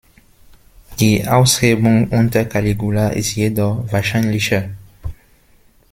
Die Aushebung unter Caligula ist jedoch wahrscheinlicher.